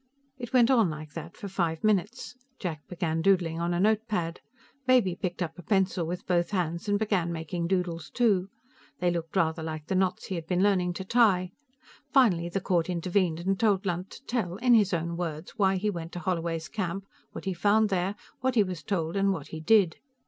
It went on like that for five minutes. Jack began doodling on a notepad. Baby picked up a pencil with both hands and began making doodles too. They looked rather like the knots he had been learning to tie. Finally, the court intervened and told Lunt to tell, in his own words, why he went to Holloway's camp, what he found there, what he was told and what he did.